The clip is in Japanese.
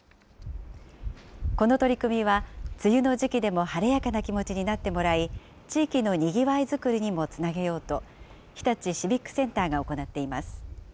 この取り組みは、梅雨の時期でも晴れやかな気持ちになってもらい、地域のにぎわい作りにもつなげようと、日立シビックセンターが行っています。